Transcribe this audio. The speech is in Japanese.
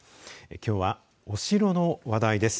きょうは、お城の話題です。